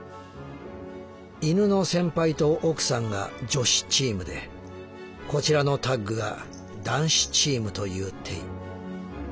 犬のセンパイとオクサンが『女子チーム』でこちらのタッグが『男子チーム』というテイ」。